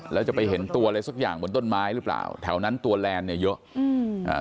แล้วจะไปเห็นตัวอะไรสักอย่างบนต้นไม้หรือเปล่าแถวนั้นตัวแลนด์เนี่ยเยอะอืมอ่า